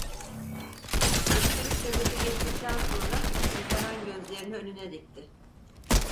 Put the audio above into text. Öksürük nöbeti geçtikten sonra, yaşaran gözlerini önüne dikti.